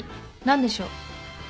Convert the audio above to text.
何でしょう？